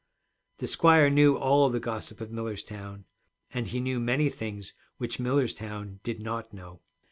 The squire knew all the gossip of Millerstown, and he knew many things which Millerstown did not know.